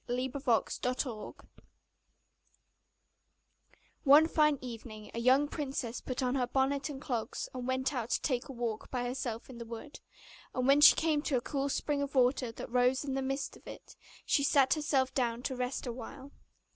THE FROG PRINCE One fine evening a young princess put on her bonnet and clogs, and went out to take a walk by herself in a wood; and when she came to a cool spring of water, that rose in the midst of it, she sat herself down to rest a while.